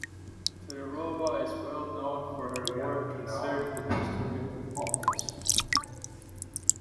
Todorova is well known for her work concerning the history of the Balkans.